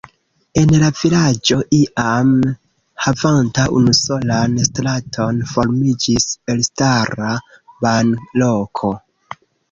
El la vilaĝo iam havanta unusolan straton formiĝis elstara banloko.